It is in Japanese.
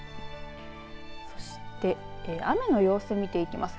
そして、雨の様子見ていきます。